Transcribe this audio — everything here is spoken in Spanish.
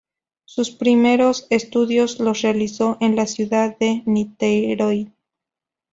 Sus primeros estudios los realizó en la ciudad de Niterói.